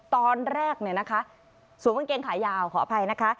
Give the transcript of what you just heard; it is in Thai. ตอนแรกเนี่ยนะคะสวมกางเกงขายาวขออภัยนะคะ